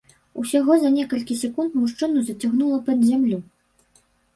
Усяго за некалькі секунд мужчыну зацягнула пад зямлю.